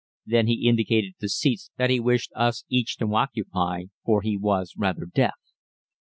Then he indicated the seats that he wished us each to occupy, for he was rather deaf.